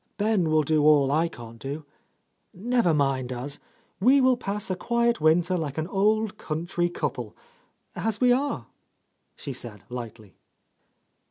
Ben will do all I can't do. Never mind us. We will pass a quiet winter, like an old country couple,' — as we are !" she said lightly.